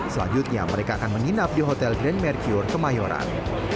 selanjutnya mereka akan menginap di hotel grand mercure kemayoran